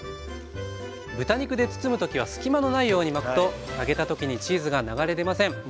豚肉で包む時は隙間のないように巻くと揚げた時にチーズが流れ出ません。